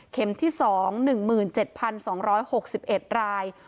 เข็มที่สอง๑๗๒๖๑ราย